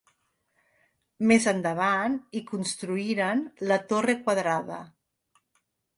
Més endavant hi construïren la torre quadrada.